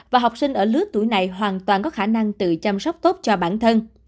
và học sinh ở lứa tuổi này hoàn toàn có khả năng tự chăm sóc tốt cho bản thân